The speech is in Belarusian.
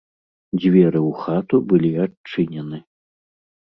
Дзверы ў хату былі адчынены.